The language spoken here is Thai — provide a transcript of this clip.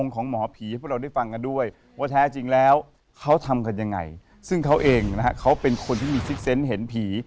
ของผีต่างประเทศนะครับเพราะว่าเขาคนนี้